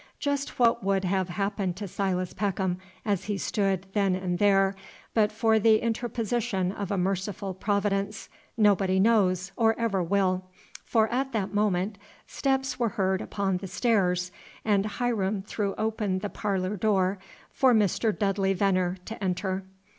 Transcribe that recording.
Just what would have happened to Silas Peckham, as he stood then and there, but for the interposition of a merciful Providence, nobody knows or ever will know; for at that moment steps were heard upon the stairs, and Hiram threw open the parlor door for Mr. Dudley Venner to enter.